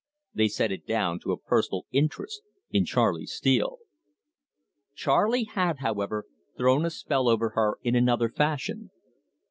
They set it down to a personal interest in Charley Steele. Charley had, however, thrown a spell over her in another fashion.